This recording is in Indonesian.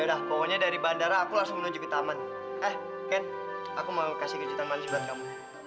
aku jadi gak sabar nih nunggu kamu pulang